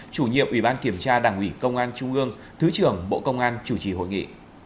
chủ nhiệm ủy ban kiểm tra đảng ủy công an trung ương thứ trưởng bộ công an chủ trì hội nghị